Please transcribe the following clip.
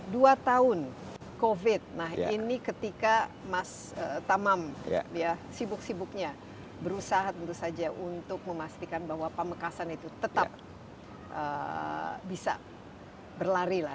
dua tahun covid nah ini ketika mas tamam sibuk sibuknya berusaha tentu saja untuk memastikan bahwa pamekasan itu tetap bisa berlari lah